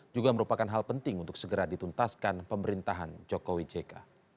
juga merupakan hal penting untuk segera dituntaskan pemerintahan jokowi jk